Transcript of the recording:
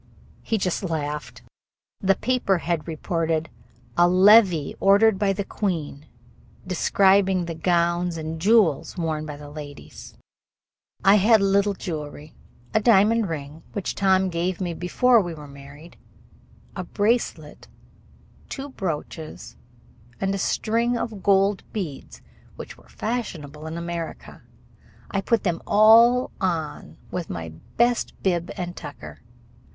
He just laughed. The paper had reported a "levee ordered by the queen", describing the gowns and jewels worn by the ladies. I had little jewelry a diamond ring, which Tom gave me before we were married, a bracelet, two brooches, and a string of gold beads, which were fashionable in America. I put them all on with my best bib and tucker.